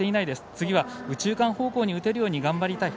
次は右中間方向に打てるように頑張りたい。